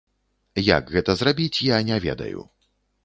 Як гэта зрабіць, я не ведаю.